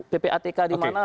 ppatk di mana